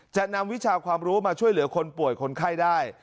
จะนำวิชาความรู้มาช่วยเหลือคนป่วยคนไข้ได้